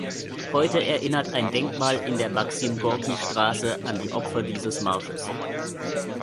Heute erinnert ein Denkmal in der Maxim-Gorki-Straße an die Opfer dieses Marsches.